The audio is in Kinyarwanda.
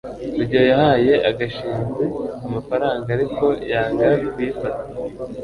rugeyo yahaye gashinzi amafaranga, ariko yanga kuyifata